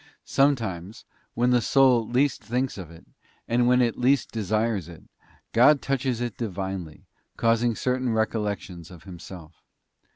Sometimes, when the soul least thinks of it, and when it least. desires it, God touches it divinely, causing certain recollections of Himself.